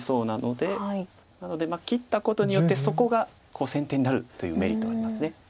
なので切ったことによってそこが先手になるというメリットはあります。